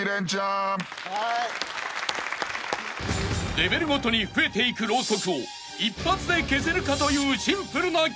［レベルごとに増えていくろうそくを一発で消せるかというシンプルな競技］